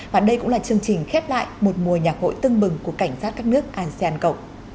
và đây cũng là chương trình khép lại một mùa nhạc hội tưng bừng của cảnh sát các nước asean cộng